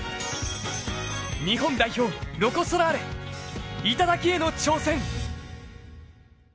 日本代表ロコ・ソラーレ、頂への挑戦。